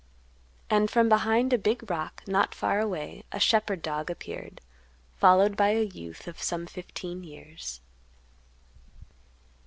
And from behind a big rock not far away a shepherd dog appeared, followed by a youth of some fifteen years.